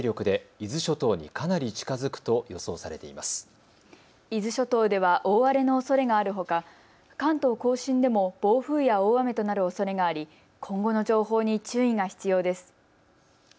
伊豆諸島では大荒れのおそれがあるほか関東甲信でも暴風や大雨となるおそれがあり今後の情報に注意が必要です。